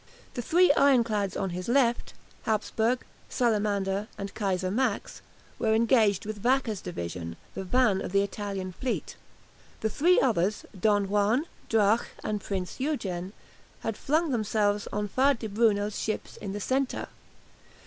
The three ironclads on his left ("Hapsburg," "Salamander," and "Kaiser Max") were engaged with Vacca's division, the van of the Italian fleet. The three others, "Don Juan," "Drache," and "Prinz Eugen," had flung themselves on Faa di Bruno's ships in the centre.